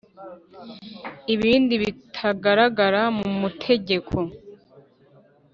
Ibindi bitagaragara mu mutegeko